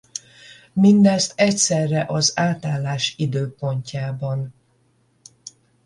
Mindezt egyszerre az átállás időpontjában.